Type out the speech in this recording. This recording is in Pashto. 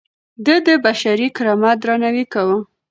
ده د بشري کرامت درناوی کاوه.